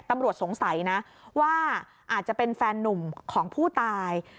ตำรวจสงสัยนะว่าอาจจะเป็นแฟนนุ่มของผู้ตาย